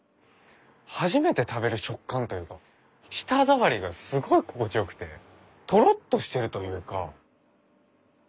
初めて食べる食感というか舌触りがすごい心地よくてとろっとしてるというか。